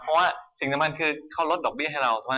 เพราะว่าสิ่งที่มันคือเขารดดอกเบี้ยให้เรา